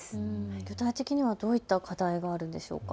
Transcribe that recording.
具体的にはどういった課題があるんでしょうか。